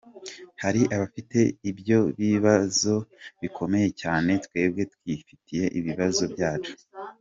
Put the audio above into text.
Hari abafite ibyo bibazo bibakomereye cyane, twebwe twifitiye ibibazo byacu.